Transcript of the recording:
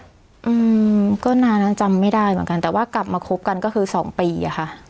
อืมก็นานแล้วจำไม่ได้เหมือนกันแต่ว่ากลับมาคบกันก็คือสองปีอ่ะค่ะ